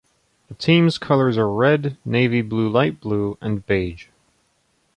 The team's colors are red, navy blue light blue, and beige.